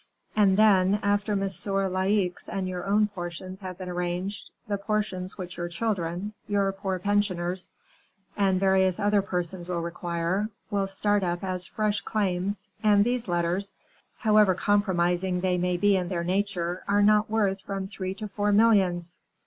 and then, after M. de Laicques's and your own portions have been arranged, the portions which your children, your poor pensioners, and various other persons will require, will start up as fresh claims, and these letters, however compromising they may be in their nature, are not worth from three to four millions.